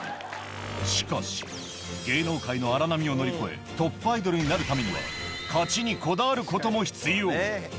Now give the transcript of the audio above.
しかし、芸能界の荒波を乗り越え、トップアイドルになるためには、勝ちにこだわることも必要。